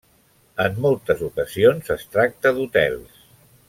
En moltes ocasions es tracta d'hotels.